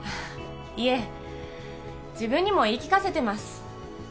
いえ自分にも言い聞かせてます